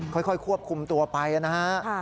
ค่อยควบคุมตัวไปนะฮะ